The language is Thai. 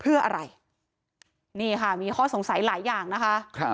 เพื่ออะไรนี่ค่ะมีข้อสงสัยหลายอย่างนะคะครับ